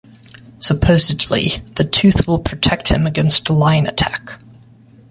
Supposedly the tooth will protect him against a lion attack.